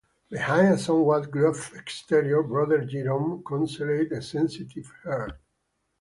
Behind a somewhat gruff exterior, Brother Jerome concealed a sensitive heart.